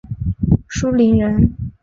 舒磷人。